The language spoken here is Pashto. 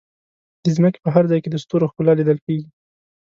د ځمکې په هر ځای کې د ستورو ښکلا لیدل کېږي.